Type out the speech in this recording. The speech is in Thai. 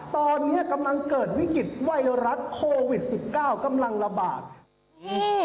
ตอนนี้กำลังเกิดวิกฤตไวรัสโควิดสิบเก้ากำลังระบาดนี่